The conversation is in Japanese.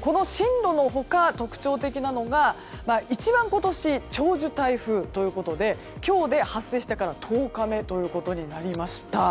この進路の他、特徴的なのが一番、今年長寿台風ということで今日で発生してから１０日目となりました。